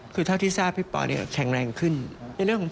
อยู่ใช่ครับก็คือ